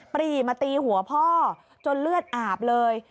ปรีมาตีหัวพ่อจนเลือดอาบเลย